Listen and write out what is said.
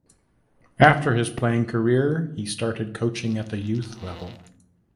After his playing career he started coaching at the youth level.